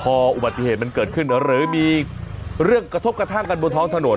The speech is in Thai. พออุบัติเหตุมันเกิดขึ้นหรือมีเรื่องกระทบกระทั่งกันบนท้องถนน